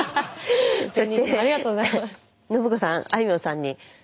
ありがとうございます。